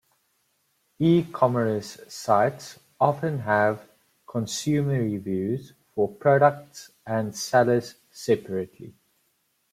E-commerce sites often have consumer reviews for products and sellers separately.